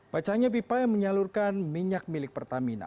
pecahnya pipa yang menyalurkan minyak milik pertamina